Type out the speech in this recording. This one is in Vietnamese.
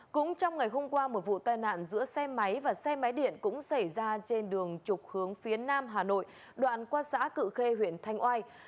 cũng trong ngày hôm qua một vụ tai nạn giữa xe máy và xe máy điện cũng xảy ra trên đường trục hướng phía nam hà nội đoạn qua xã cự khê huyện thanh oai